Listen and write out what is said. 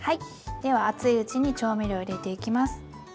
では熱いうちに調味料入れていきます。